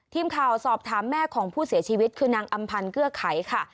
ทีมข่าวสอบถามแม่ของผู้เสียชีวิตคือนางอำพันธ์เกื้อไขค่ะ